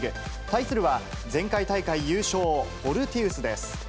対するは、前回大会優勝、フォルティウスです。